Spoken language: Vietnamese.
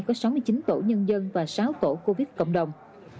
có sáu mươi chín tổ nhân dân và sáu tổ covid cộng đồng